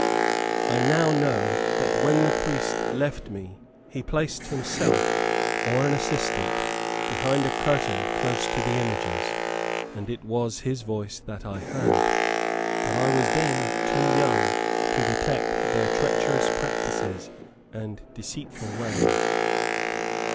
I now know that when the priest left me, he placed himself, or an assistant, behind a curtain close to the images, and it was his voice that I heard. But I was then too young to detect their treacherous practices and deceitful ways.